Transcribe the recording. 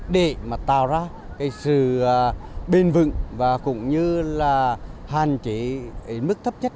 để mà tạo ra cái sự bền vững và cũng như là hàn chế mức thấp nhất